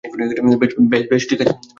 বেশ, বেশ, ঠিক আছে।